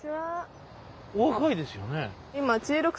お若いですよね。